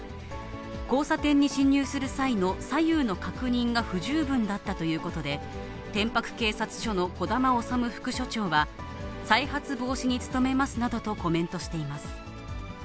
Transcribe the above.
交差点に進入する際の左右の確認が不十分だったということで、天白警察署の児玉修副署長は、再発防止に努めますなどとコメントしています。